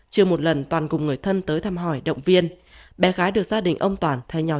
chưa một lần toàn cùng người thân tới thăm hỏi động viên bé gái được gia đình ông toàn thay nhau